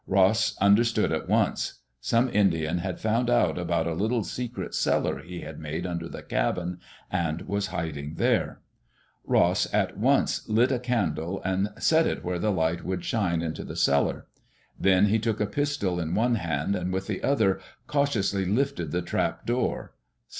Ross under stood at once. Some Indian had found out about a little secret cellar he had made under the cabin, and was hiding there I Ross at once lit a candle and set it where the light would shine into the cellar. Then he took a pistol in one hand, and with the other cautiously lifted the trap door.